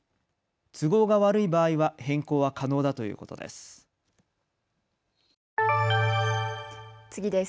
都合が悪い場合は変更は可能だということです。